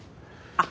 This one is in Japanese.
あっ。